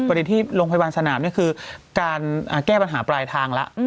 ที่โรงพยาบาลสนามนี่คือการแก้ปัญหาปลายทางแล้ว